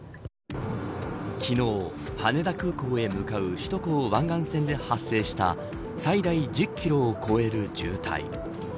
昨日、羽田空港に向かう首都高湾岸線で発生した最大１０キロを超える渋滞。